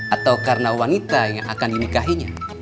atau karena wanita yang akan dinikahinya